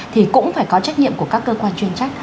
thì cũng phải có trách nhiệm của các cơ quan chuyên trách